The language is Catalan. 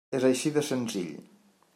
És així de senzill.